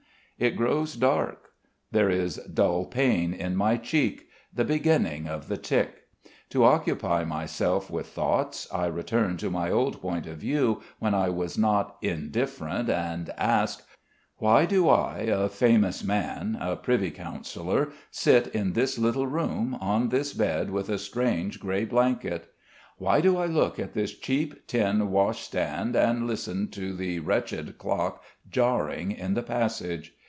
It grows dark. There is dull pain in my cheek the beginning of the tic. To occupy myself with thoughts, I return to my old point of view, when I was not indifferent, and ask: Why do I, a famous man, a privy councillor, sit in this little room, on this bed with a strange grey blanket? Why do I look at this cheap tin washstand and listen to the wretched clock jarring in the passage?